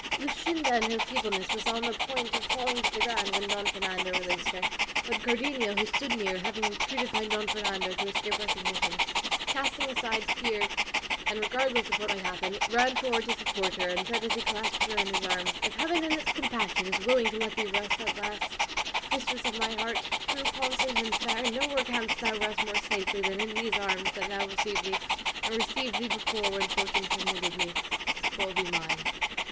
Luscinda in her feebleness was on the point of falling to the ground when Don Fernando released her, but Cardenio, who stood near, having retreated behind Don Fernando to escape recognition, casting fear aside and regardless of what might happen, ran forward to support her, and said as he clasped her in his arms, "If Heaven in its compassion is willing to let thee rest at last, mistress of my heart, true, constant, and fair, nowhere canst thou rest more safely than in these arms that now receive thee, and received thee before when fortune permitted me to call thee mine."